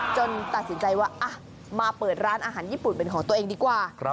ตัดสินใจว่ามาเปิดร้านอาหารญี่ปุ่นเป็นของตัวเองดีกว่า